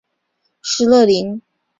施乐灵。